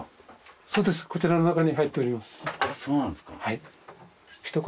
そうですこちらの中に入っております。